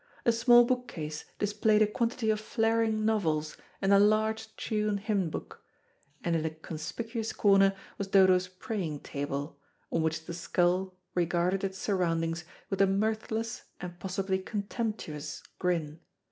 A small bookcase displayed a quantity of flaring novels and a large tune hymn book, and in a conspicuous corner was Dodo's praying table, on which the skull regarded its surroundings with a mirthless and possibly contemptuous grin.